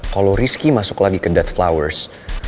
kalau rizky masuk lagi ke dead flowers